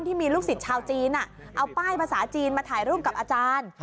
ที่มีลูกศิษย์ชาวจีนเอาป้ายภาษาจีนมาถ่ายรูปกับอาจารย์